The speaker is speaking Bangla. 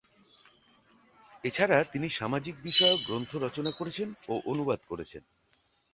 এছাড়া, তিনি সামাজিক বিষয়ক গ্রন্থ রচনা করেছেন ও অনুবাদ করেছেন।